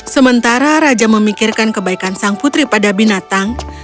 sementara raja memikirkan kebaikan sang putri pada binatang